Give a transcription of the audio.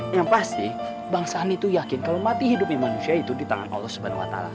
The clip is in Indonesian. yang pasti bang sandi itu yakin kalau mati hidupnya manusia itu di tangan allah swt